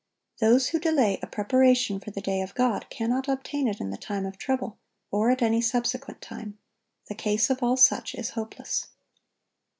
Those who delay a preparation for the day of God cannot obtain it in the time of trouble, or at any subsequent time. The case of all such is hopeless.